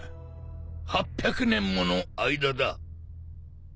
８００年もの間だ！